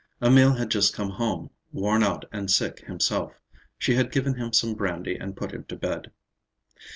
Emil had just come home, worn out and sick himself. She had given him some brandy and put him to bed.